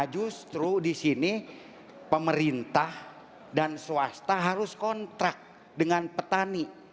justru di sini pemerintah dan swasta harus kontrak dengan petani